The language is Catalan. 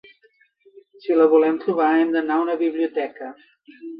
Si la volem trobar, hem d'anar a una biblioteca.